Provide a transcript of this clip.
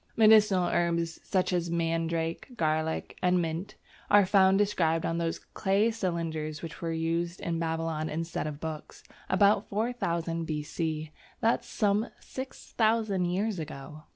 Medicinal herbs such as mandrake, garlic, and mint are found described on those clay cylinders which were used in Babylon instead of books, about 4000 B.C., that is some 6000 years ago!